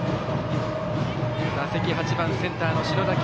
打席、８番センターの篠崎。